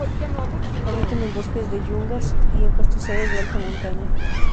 Habitan en bosques de yungas y en pastizales de alta montaña.